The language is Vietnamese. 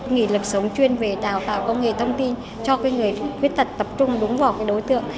nghỉ lập sống chuyên về tạo tạo công nghệ thông tin cho cái người khuyết tật tập trung đúng vào cái đối tượng